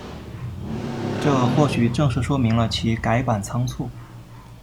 这或许正是说明了其改版仓促。